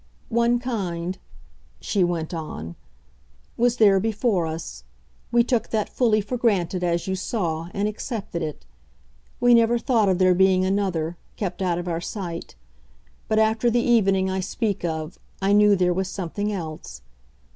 One kind," she went on, "was there before us; we took that fully for granted, as you saw, and accepted it. We never thought of there being another, kept out of our sight. But after the evening I speak of I knew there was something else.